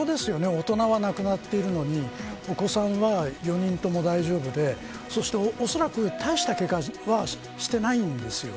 大人は亡くなっているのにお子さんは４人とも大丈夫でそしておそらく、大したけがはしていないんですよ。